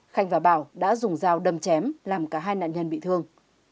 khanh và bảo đã dùng dao đâm chém làm cả hai nạn nhân bị thương